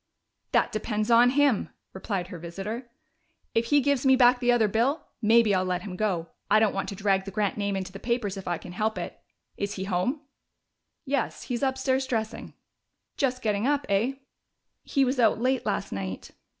"That depends on him," replied her visitor. "If he gives me back the other bill, maybe I'll let him go. I don't want to drag the Grant name into the papers if I can help it.... Is he home?" "Yes. He's upstairs, dressing." "Just getting up, eh?" "He was out late last night."